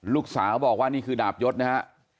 ลูกสาวบอกว่านี่คือดาบยศนะฮะ